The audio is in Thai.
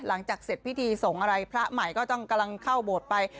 หลังจากเสร็จพิธีส่งอะไรพระใหม่ก็ต้องกำลังเข้าโบสถ์ไป